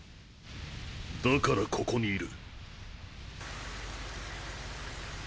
だからここにいる。